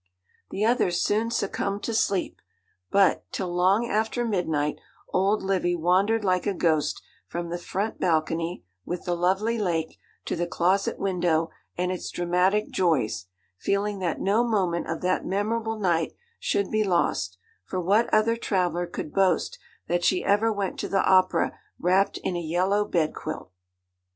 The others soon succumbed to sleep; but, till long after midnight, old Livy wandered like a ghost from the front balcony, with the lovely lake, to the closet window and its dramatic joys, feeling that no moment of that memorable night should be lost, for what other traveller could boast that she ever went to the opera wrapped in a yellow bedquilt?